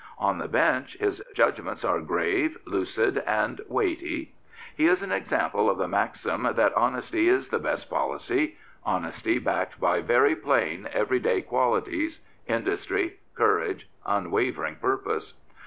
On the bench his judgments are grave, lucid, and weighty. He is an example of the maxim that " honesty is the best policy "— ^honesty backed by very plain, everyday qualities, industry, courage, unwavering purpose.